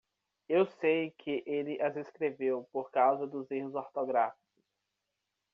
Eu sei que ele as escreveu por causa dos erros ortográficos.